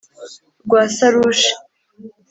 rwa sarushi,